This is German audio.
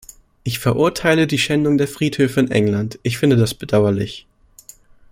Ich verurteile die Schändung der Friedhöfe in England, ich finde das bedauerlich.